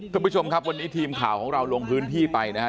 คุณผู้ชมครับวันนี้ทีมข่าวของเราลงพื้นที่ไปนะฮะ